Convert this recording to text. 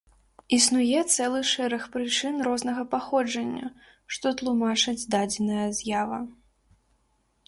Існуе цэлы шэраг прычын рознага паходжання, што тлумачаць дадзеная з'ява.